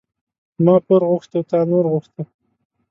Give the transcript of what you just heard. ما پور غوښته تا نور غوښته.